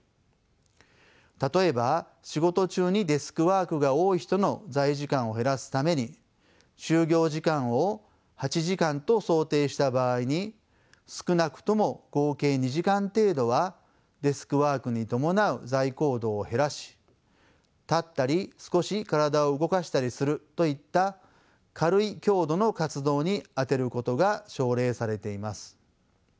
例えば仕事中にデスクワークが多い人の座位時間を減らすために就業時間を８時間と想定した場合に少なくとも合計２時間程度はデスクワークに伴う座位行動を減らし立ったり少し体を動かしたりするといった軽い強度の活動に充てることが奨励されています。